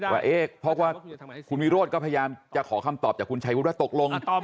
ว่าเพราะว่าคุณวิโรธก็พยายามจะขอคำตอบจากคุณชัยวุฒิว่าตกลง